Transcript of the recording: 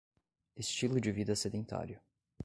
Estilo de vida sedentário